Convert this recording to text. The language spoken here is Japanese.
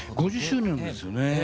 ５０周年ですよね。